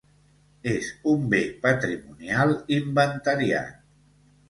És un bé patrimonial inventariat.